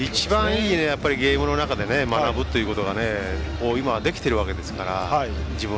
一番いいゲームの中で学ぶということができているわけですから。